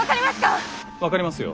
分かりますか！？